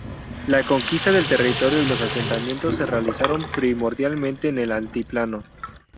La conquista del territorio y los asentamientos se realizaron primordialmente en el altiplano.